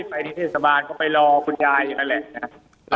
ไปที่เทศบาลก็ไปรอคุณยายอยู่นั่นแหละ